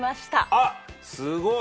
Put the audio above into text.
あっすごい。